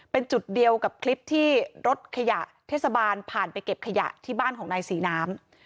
เป็นจุดเดียวกับคลิปที่รถขยะเทศบาลผ่านไปเก็บขยะที่บ้านของนายศรีน้ำ